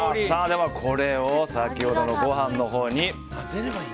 ではこれを先ほどのご飯のほうに。